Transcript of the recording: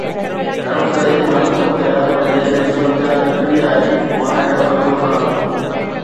گهڻو ڪري مان نه ٿو ڪريان. پر جيڪڏهن صورتحال تڪڙي آهي، مان اهڙو خطرو کڻان ٿو.